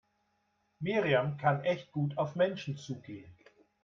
Miriam kann echt gut auf Menschen zugehen.